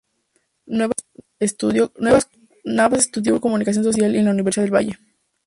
Navas estudió comunicación social en la Universidad del Valle.